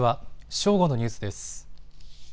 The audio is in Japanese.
正午のニュースです。